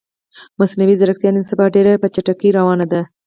مصنوعی ځیرکتیا نن سبا ډیره په چټکې روانه ده